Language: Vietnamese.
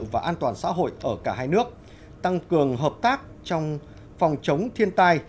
và an toàn xã hội ở cả hai nước tăng cường hợp tác trong phòng chống thiên tai